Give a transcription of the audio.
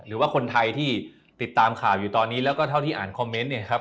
หรือว่าคนไทยที่ติดตามข่าวอยู่ตอนนี้แล้วก็เท่าที่อ่านคอมเมนต์เนี่ยครับ